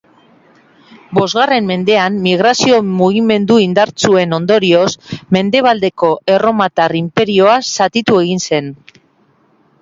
Bosgarren mendean, migrazio mugimendu indartsuen ondorioz, Mendebaldeko Erromatar Inperioa zatitu egin zen.